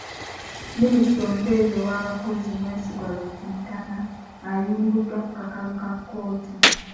Minisita omubeezi ow'abakozi Mwesigwa Rukutana ayimbuddwa ku kakalu ka kkooti.